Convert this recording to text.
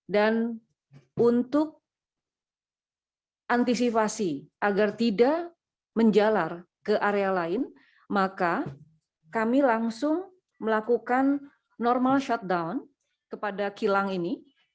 dan untuk antisipasi agar tidak menjalar ke area lain maka kami langsung melakukan normal shutdown kepada kilang ini